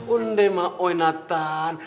undeh mah oi nathan